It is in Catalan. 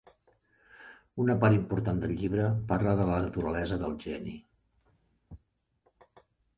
Una part important del llibre parla de la naturalesa del geni.